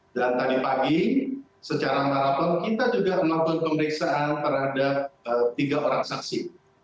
dan tadi pagi secara maraton kita juga melakukan pemeriksaan terhadap tiga orang saksi